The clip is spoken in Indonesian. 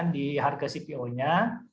di harga cpo nya